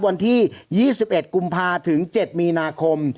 วันที่๒๑กุมภาถึง๗มีนาคม